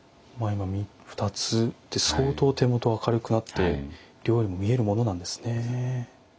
今２つで相当手元が明るくなって料理も見えるものなんですね。